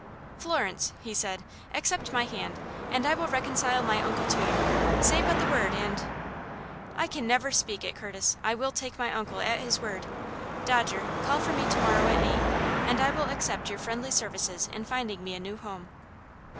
"Florence," he said, "accept my hand, and I will reconcile my uncle to you. Say but the word, and " "I can never speak it, Curtis! I will take my uncle at his word. Dodger, call for me to morrow at eight, and I will accept your friendly services in finding me a new home."